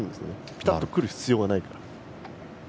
ぴたっとくる必要がないから。